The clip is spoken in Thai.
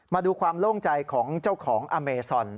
มาดูความโล่งใจของเจ้าของอเมซอน